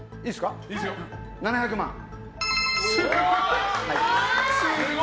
７００万円。